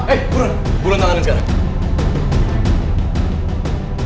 pak eh buruan buruan tangannya sekarang